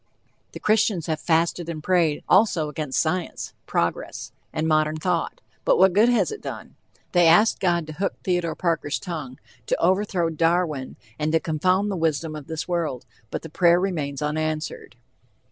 The Christians have "fasted and prayed" also against science, progress, and modern thought, but what good has it done? They asked God to hook Theodore Parker's tongue; to overthrow Darwin, and to confound the wisdom of this world, but the prayer remains unanswered.